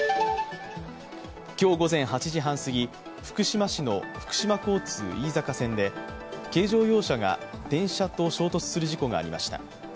今日午前８時半すぎ、福島市の福島交通飯坂線で軽乗用車が電車と衝突する事故がありました。